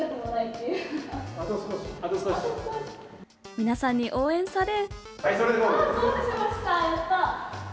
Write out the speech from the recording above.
皆さんに応援され。